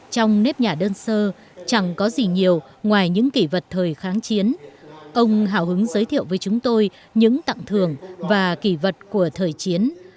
trong nếp nhà đơn sơ chẳng có gì nhiều ngoài những kỷ vật thời kháng chiến ông hào hứng giới thiệu với chúng tôi những tặng thường và kỷ vật của thời chiến